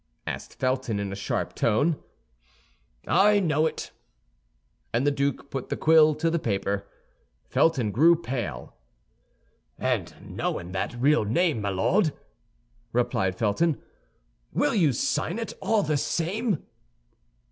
asked Felton, in a sharp tone. "I know it"; and the duke put the quill to the paper. Felton grew pale. "And knowing that real name, my Lord," replied Felton, "will you sign it all the same?"